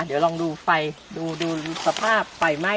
เดี๋ยวลองดูไฟดูสภาพไฟไหม้